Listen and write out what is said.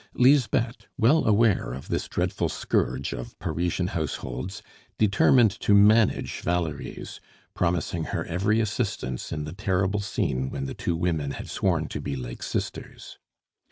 Lisbeth, well aware of this dreadful scourge of Parisian households, determined to manage Valerie's, promising her every assistance in the terrible scene when the two women had sworn to be like sisters.